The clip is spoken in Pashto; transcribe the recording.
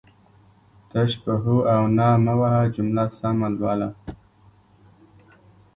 تش په هو او نه مه وهه جمله سمه لوله